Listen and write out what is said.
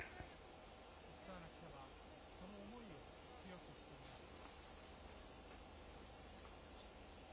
オクサーナ記者は、その思いを強くしていました。